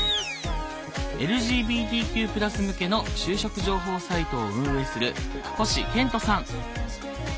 ＬＧＢＴＱ＋向けの就職情報サイトを運営する星賢人さん。